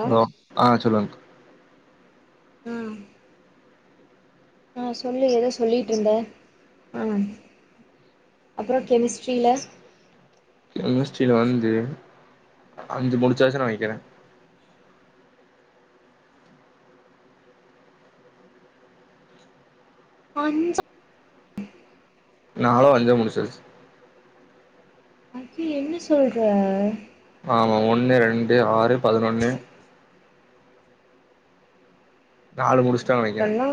hello ஆ சொல்லுங் ம் ஆ சொல்லு ஏதோ சொல்லிட்டு இருந்தே ஆ அப்றோ கெமிஸ்ட்ரியில கெமிஸ்ட்டியில வந்து அஞ்சு முடிச்சாச்சு நெனைக்கிறே கெஞ்சோ நாளோ அஞ்சோ முடிஞ்சாச்சு ஏ என்ன சொல்ற ஆமா ஒண்ணு ரெண்டு ஆறு பதினொன்னு நாலு முடிச் இதுக்கல்லா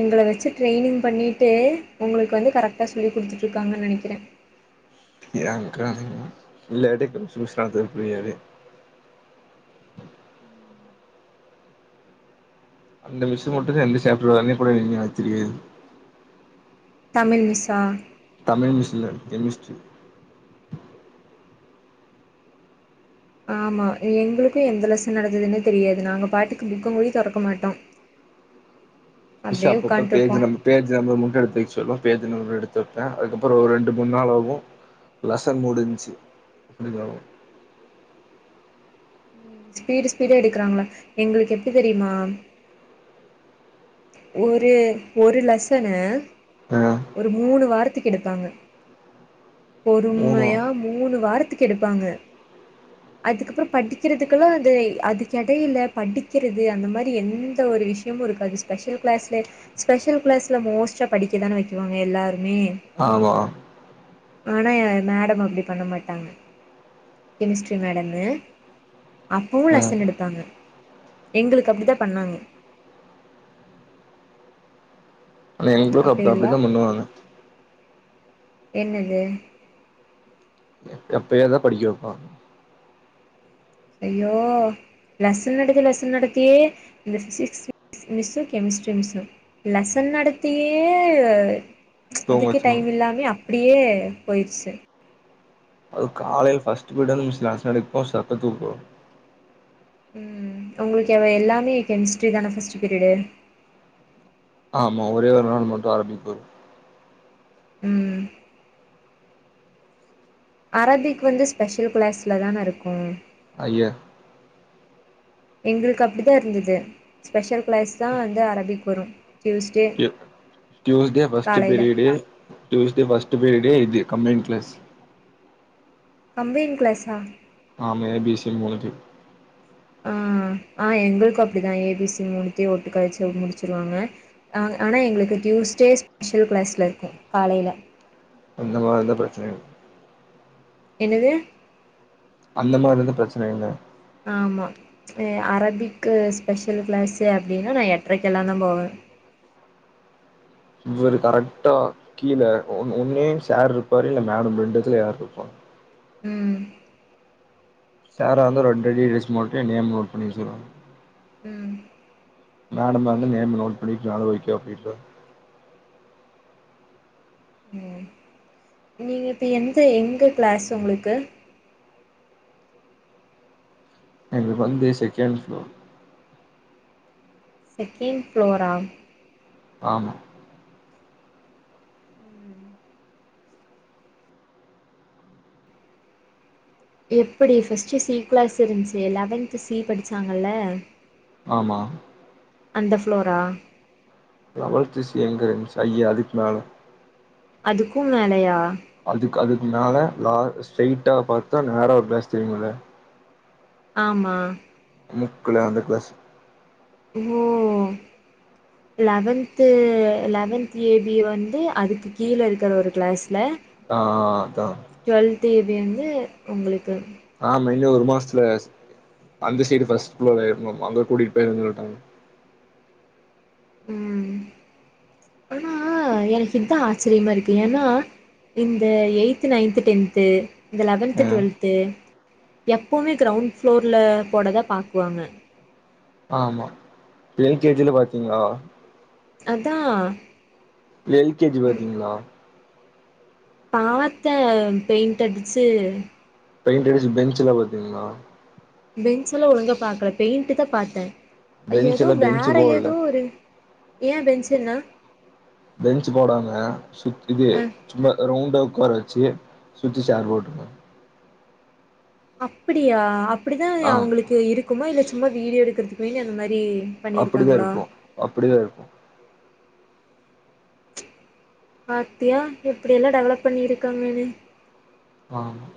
எங்களை வச்சு ட்ரெய்னிங் பண்ணிட்டு உங்களுக்கு வந்து கரெக்டா சொல்லி கொடுத்துட்டு இருக்காங்கன்னு நினைக்கிறே ஏ அக்கா இல்லாடி ப்ரிஸ் [unintelligible] அந்த மிஷு மட்டு தா எ சாப்பிடுவாே கூட நீங்க தெரியாது தமிழ் மிஷா தமிழ் மிஸ் இல்ல கே மிஸ்ரி ஆமா எங்களுக்கு எந்த லெசன் நடந்ததுன்னே தெரியாது நாங்க பாட்டுக்கு புக்க கூடி தெறக்க மாட்டோ மிஷ்சு அப்டியே அப்பப்ப உட்காண்ட்ருப்போ பேஜி நம் பேஜ் நம்பர் மட்டும் எடுத்து வைக்க சொல்லு பேஜ நம்பர் எடுத்து வைப்பே அதுக்கப்றோ ஒரு ரெண்டு மூணு நாள் ஆகு லசன் மூடுன்ச்சு அப்டிங்குவாங்க ஸ்பீடு ஸ்பீட எடுக்கிறாங்களா எங்களுக்கு எப்டி தெரியுமா ஒரு ஒரு லெசனு ஆ ஒரு மூணு வாரத் து கெடுப்பாங்க மூணு பொறுமையா மூணு வாரத்துக்கு எடுப்பாங்க அதுக்கப்றோ படிக்கிறதுக்கெல்லா அது அது கடையில படிக்கிறது அந்த மாதிரி எந்த ஒரு விஷயமு இருக்காது ஸ்பெஷல் கிளாஸ்ல ஸ்பெஷல் கிளாஸ்ல மோஸ்ட்டா படிக்கதானே வைக்குவாங்க எல்லாருமே ஆமா ஆனா ஏ மேடம் அப்டி பண்ண மாட்டாங்க கெமிஸ்ட்ரி மேடமு அப்பவு லெசன் எடுத்தாங்க எங்களுக்கு அப்டி தா பண்ணாங்க ஆனா எங்களுக்கும் அப்ப அப்டில்லா அப்டிதா பண்ணுவாங்க என்னது எப்பயே தா படிக்க வைப்பாங்க ஐயோ லெசன் நடத்தி லெசன் நடத்தியே இந்த physics miss chemistry miss lesson நடத்தியே தூங்க இதுக்கு வச்சிருவ டைம் இல்லாமே அப்டியே போயிருச்சு அது காலையில் ஃபஸ்ட் ப்ரிட்டு வந்து மீஸ்சு லெசன் எடுக்கு போது சத்த தூக்கோ வரு ம் உங்களுக்கு எ எல்லாமே கெமிஸ்ட்ரி தானே ஃபர்ஸ்ட் பீரியடு ஆமா ஒரே ஒரு நாள் மட்டு அரம்பிக் வரு ம் அரபிக் வந்து ஸ்பெஷல் கிளாஸில தான இருக்கு ஐய்யே எங்களுக்கு அப்டிதா இருந்தது ஸ்பெஷல் கிளாஸ் தா வந்து அரபிக்கு வரு டியூஸ்டே தூஸ்டே ஃபஸ்ட் காலைல பிரியடு தூஸ்டே ஃபஸ்ட் பிரியடு இது கம்பென் கிளாஸ் கம்பென் கிளாஸா ஆமா ஏ பி சி மூணுத்தியு ஆ ஆ எங்களுக்கு அப்டிதா ஏ பி சி மூணுத்தியு ஒட்டுக்கா வச்சு அதுக் முடிச்சுருவாங்க ஆ ஆனா எங்குளுக்கு டியூஸ்டே ஸ்பெஷல் கிளாஸ்ல இருக்கு காலேல இங்கலா எந்த பிரச்னையு என்னது அந்த மாரி எது பிரச்சனை இல்ல ஆமா எ அரபிக்கு ஸ்பெஷல் கிளாஸு அப்டினா நா எட்ரைக்கெல்லாந்தா போவ இவரு கரெக்ட்டா கீழ ஒன் ஒன்னு சார் இருப்பாரு இல்ல மேடம் ரெண்டுதுல யார் இருப்பா ம் சாரா இரந்தா ரெண்டு அடி அடிஸ்ட் மட்டு ஏன் நேம் நோட் பண்ணி வச்சுருவாங்க ம் மேடமா இருந்தா நேம் நோட் பண்ணிக்லனாலு ஓகே அப்டின்வாங்க ம் நீங்க இப்போ எந்த எங்க கிளாஸ் உங்குளுக்கு எங்ளுக் வந்து செக்கெண் ஃப்ளோர் செக்கெண் ஃப்ளோரா ஆமா எப்புடி ஃபஸ்ட்டு சி கிளாஸ் இருன்ச்சு லெவன்த்து சி படிச்சாங்கல்ல ஆமா அந்த ஃப்ளோரா லவல்த்து சி எங்க இருந்ச்சு ஐய அதுக்மேல அதுக்கூ மேலயா அதுக் அதுக்மேல லா ஸ்ட்ரைட்டா பாத்தா நேரா ஒரு கிளாஸ் தெரியுல ஆமா முக்குல அந்த கிளாஸு இதுவோ லவன்த்து லவன்த் ஏ பி வந்து அதுக்கு கீழ இருக்கிற ஒரு கிளாஸ்ல ஆ அதா டுவெல்து ஏ பி வந்து உங்குளுக்கு ஆமா இன்னு ஒரு மாஸ்த்துல அந்த சைடு ஃபஸ்ட் ஃபோள இர்ந்தோ அங்க கூட்டிட் போய்ரேன் சொல்ட்டாங்க ம் ஆனா எனக்கு இதா ஆச்சரியமா இருக்கு ஏனா இந்த எய்த்து நைன்த்து டென்த்து இந்த லெவன்த்து ம் டொல்த்து எப்பவ்மே கிரவுண் ஃப்ளோர்ல போடதா பாக்குவாங்க ஆமா எல் கே ஜி ல பாத்தீங்ளா அதா எல் கே ஜி பாத்தீங்ளா பாத்த அது வந் பெய்ண்ட் அடிச்சு பெய்ண்ட் அடிச்சு பெஞ்சுலா பாத்தீங்ளா பெஞ்சுலா ஒழுங்கா பாக்கல பெய்ண்ட்டுதா பாத்த அது ஏதோ பெஞ்சுல பெஞ்சு வேற போடல எதோ ஒரு ஏன் பென்சென்னா பெஞ்சு போடாம சுத் இது அ சும்மா ரவுண்டா உக்கார வச்சு சுத்தி சேர் போட்ருக்காங்க அப்பிடியா அப்டிதா ஆ அவுங்குளுக்கு இருக்குமா இல்ல சும்மா வீடியோ எடுக்கற்துக்வேங்க அந்த மாரி அப்பிடிதா பண்ணிருக்காங்களா இருக்கு அப்பிடிதா இருக்கு பாத்தியா எப்புடியெல்லா டெவலப் பண்ணிருக்காங்கனு ஆமா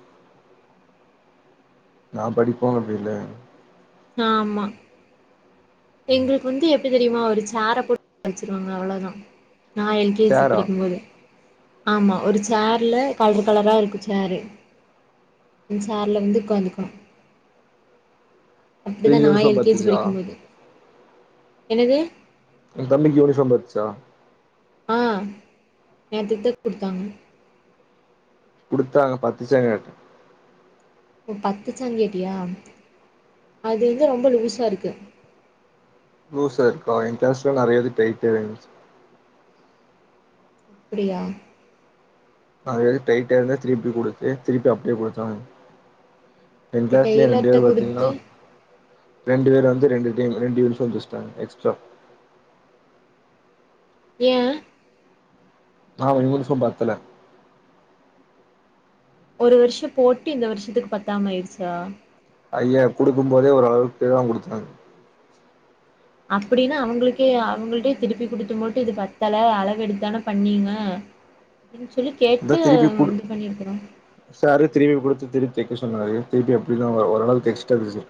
நா படிக்மோது அப்டி இல்ல ஆமா எங்களுக்கு வந்து எப்படி தெரியுமா ஒரு சேர போட்டு வச்சிருவாங்க அவ்வளோதான் நா எல் கே ஜி சேரா படிக்கும்போது ஆமா ஒரு சேர்ல கலர் கலரா இருக்கும் சேரு அந் சார்ல வந்து உட்காந்துக்க இது அப்டிதான் நா யூனிஃபார்ம் எல் கே ஜி பத்துச்சா படிக்கும்போது என்னது என் தம்பிக்கு இவ்வளோ சம்பச்சா ஆ நேத்தித்தா கொடுத்தாங்க கொடுத்தாங்க பத்துசாங்க ஓ பத்துச்சா கேட்டியா அது வந்து ரொம்ப லூஸா இருக்கு லூசா இருக்கா என் கிளாஸ்ல நிறையாவது டைட்டாவே இருந்துச்சு அப்புடியா அது எது டைட்டா இருந்தா திருப்பி கொடுத்து திருப்பி அப்டியே கொடுத்தாங்க என் இப்ப கிளாஸ்லயே ரெண்டு டெய்லர்ட்ட பேர் பாத்தீங்கன்னா குடுத்து ரெண்டு பேர் வந்து ரெண்டு டீம் ரெண்டு நிமிசம் பேசிட்டாங்க எக்ஸ்ட்ரா ஏன் ஆன் உங்களுசுக்கும் பத்துல ஒரு வருஷம் போட்டு இந்த வருஷத்துக்கு பத்தாம ஆயிருச்சா ஐய்யா கொடுக்கும் போதே ஒரு அளவுக்கு தான் கொடுத்தாங் அப்டின்னா அவுங்களுக்கே அவுங்கள்டேயே திருப்பி கொடுத்து மட்டும் இது பத்தல அளவு எடுத்தான பண்ணீங்க அப்டின் சொல்லி அதா கேட்டு திருப்பி குடு இது பண்ணிருக்கனு சாரு திருப்பி கொடுத்து திருப்பி தைக்க சொன்னாரு திருப்பி அப்டிதான் ஒரளவுக்கு எக்ஸ்டா தச்சு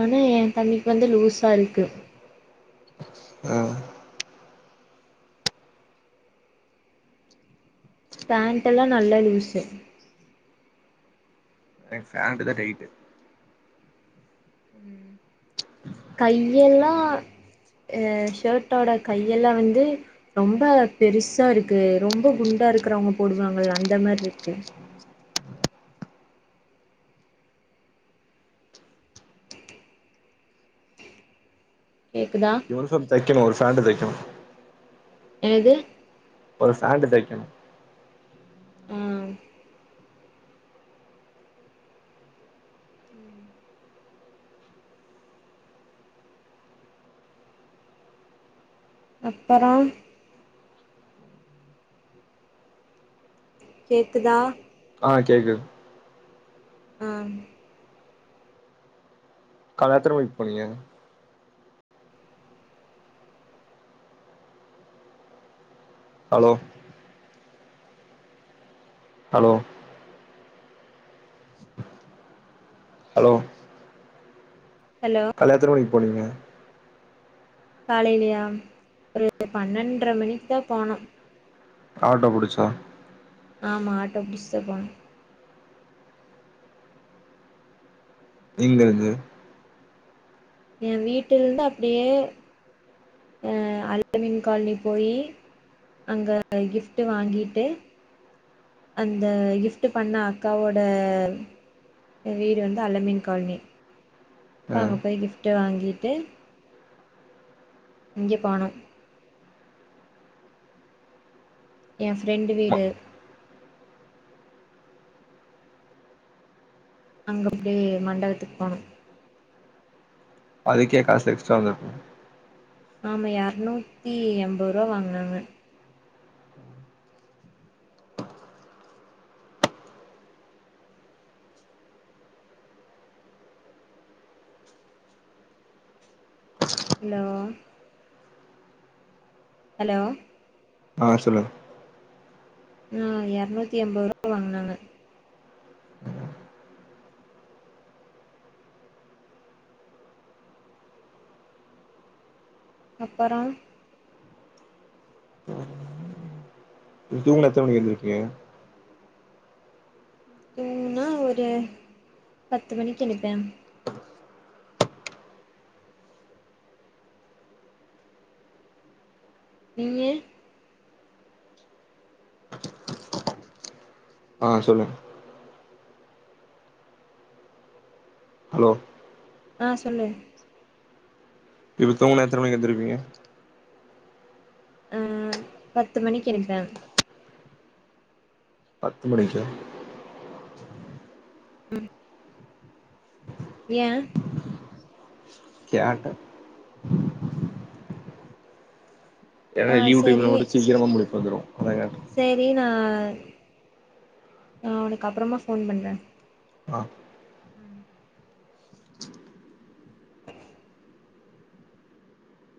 ஆனா ஏன் தம்பிக்கு வந்து லூஸா இருக்கு ஆ பேண்ட் எல்லாம் நல்லா லூஸு எனக்கு பேண்ட் தா டைட்டு [inaudible] ச்சு கையெல்லாம் அ ஷர்ட்டோட கையெல்லாம் வந்து ரொம்ப பெருசா இருக்கு ரொம்ப குண்டா இருக்குறவங்க போடுவாங்கள அந்த மாரி இருக்கு கேக்குதா ஒரு செஃப் தைக்கணும் ஒரு ஃபேண்ட் தைக்கனும் என்னது ஒரு ஃபேண்டு தைக்கணும் ம் [inaudible] அப்பறம் கேக்குதா ஆ கேக்குது ஆம் கால்ல எத்தன மணிக்கு போனீங்க ஹலோ ஹலோ ஹலோ ஹலோ கால்ல எத்தண மணிக்கு போனீங்க காலைலியா ஒரு பன்னெண்ற மணிக்கு தா போனோ ஆட்டோ புடிச்சா ஆமா ஆட்டோ புடிச்சுதா போனோ எங்கயிருந்து என் வீட்லருந்து அப்டியே அ அல்பமீன் கால்னிக் போயி அங்க கிஃப்ட்டு வாங்கிட்டு அந்த கிஃப்ட் பண்ண அக்காவோட வீடு வந்து அலமீன் கால்னி ஆ அங்க போய் கிப்ட் வாங்கிட்டு இங்கே பானம் என் ஃப்ரெண்டு வீடு அங்க அப்டியே மண்டபத்துக்கு போனோ அதுக்கே காசு எக்ஸ்ட்ரா வந்திருக்கு ஆமா எரநூத்தி எண்பருபா வாங்னாங்க ஹலோ ஹலோ ஆ சொல்லு நா எரநூத்தி எம்பதுரூபா வாங்குனாங்க அப்பற நீ தூங்குனா எத்தன மணிக்கு எந்திருப்பீங்க தூங்குனா ஒரு பத்து மணிக்கு எழுந்திருப்பே நீங்கள் ஆ சொல்லுங் ஹலோ ஆ சொல்லு இப்ப தூங்குனா எத்தன மணிக்கு எந்துருப்பீங்க ஆ பத்து மணிக்கு எழுபே பத்து மணிக்கா உம் ஏன் கேட்டே ஏன்னா ஆ லீவுட்டு சேரி இவனுக்கு மட்டும் சீக்கிரமா முழிப்பு வந்துரு அதா‌ கேட்ட சேரி நா உனக்கு அப்றமா ஃபோன் பண்றே ஆ ஆ